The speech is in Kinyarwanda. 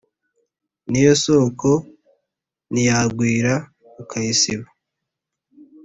n’iyo soko ntiyagwira ukayisiba.